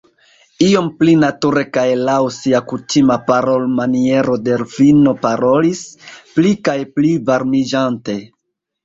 Iom pli nature kaj laŭ sia kutima parolmaniero Delfino parolis, pli kaj pli varmiĝante: